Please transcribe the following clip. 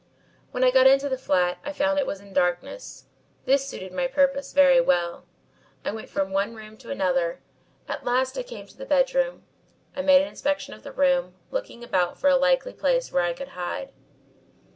When I got into the flat I found it was in darkness. This suited my purpose very well. I went from one room to another. At last I came to the bedroom. I made an inspection of the room, looking about for a likely place where I could hide.